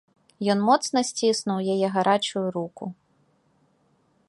Ён моцна сціснуў яе гарачую руку.